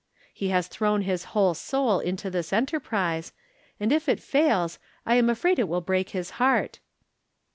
He has thrown his whole soul into tliis enter prise, and if it fails I am afraid it will break his heart.